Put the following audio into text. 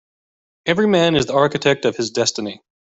Every man is the architect of his destiny.